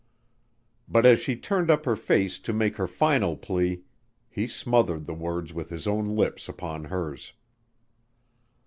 But as she turned up her face to make her final plea, he smothered the words with his own lips upon hers.